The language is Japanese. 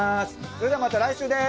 それではまた来週です。